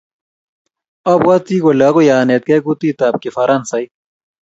Abwati kole agoi anetgei kutitab kifaransaik